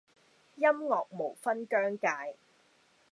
音樂無分彊界